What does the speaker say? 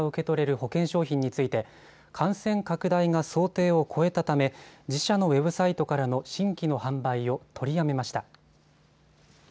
保険商品について感染拡大が想定を超えたため自社のウェブサイトからの新規の販売を取りやめました。